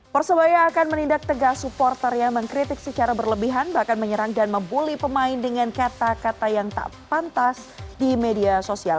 persebaya akan menindak tegas supporter yang mengkritik secara berlebihan bahkan menyerang dan membuli pemain dengan kata kata yang tak pantas di media sosial